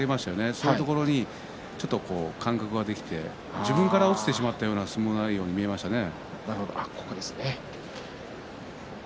そういうところに間隔ができて自分から落ちてしまったような相撲内容に見えましたね。